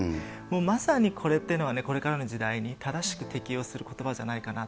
まさにこれっていうのはこれからの時代に正しく適用することばじ